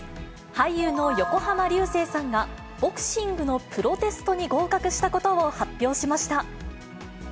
俳優の横浜流星さんが、ボクシングのプロテストに合格したことを発表しました。